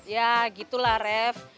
ya gitulah ref